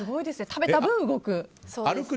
食べた分、歩く。